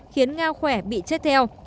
khiến ngao khỏe bị chết theo